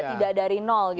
tidak dari nol gitu ya